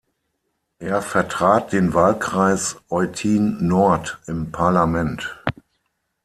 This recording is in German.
Er vertrat den Wahlkreis Eutin-Nord im Parlament.